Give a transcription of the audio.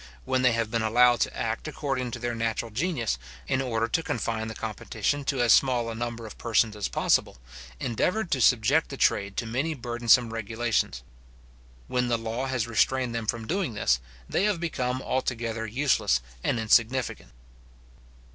When they have been allowed to act according to their natural genius, they have always, in order to confine the competition to as small a number of persons as possible, endeavoured to subject the trade to many burdensome regulations. When the law has restrained them from doing this, they have become altogether useless and insignificant.